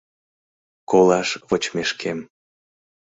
— Колаш вочмешкем...